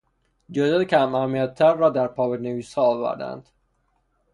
جزئیات کماهمیتتر را در پانویسها آوردهاند.